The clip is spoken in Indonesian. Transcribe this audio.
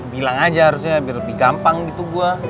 bilang aja harusnya biar lebih gampang gitu gue